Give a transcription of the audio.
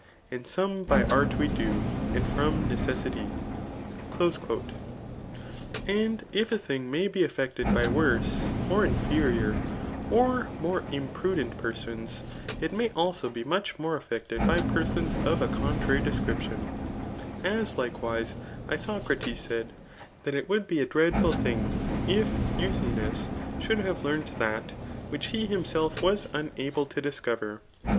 And some by art we do, and from necessity. ISO TH£ AAT OF BOOK II. Aod if a thbg toxf be effected by wdHK, or inferioTy or more imprudent pertons, it may ako be much more effected by persons of a contrary description ; as likewise bocrates said, that it would be a dreadful things if £u thynus should have learnt that, which he himself was unable to discoYcr.